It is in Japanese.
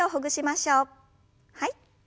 はい。